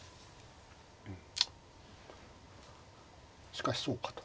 しかしそうかと。